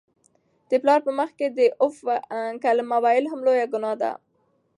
د پلار په مخ کي د "اف" کلمه ویل هم لویه ګناه ده.